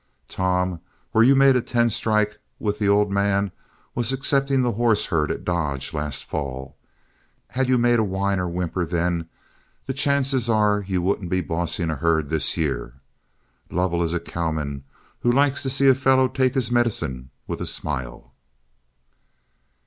Tom, where you made a ten strike with the old man was in accepting that horse herd at Dodge last fall. Had you made a whine or whimper then, the chances are you wouldn't be bossing a herd this year. Lovell is a cowman who likes to see a fellow take his medicine with a smile."